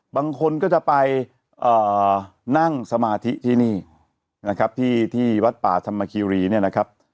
บางคนก็จะไปนั่งสมาธิที่นี่นะครับที่วัดป่าธรรมคีรีเนี่ยนะครับ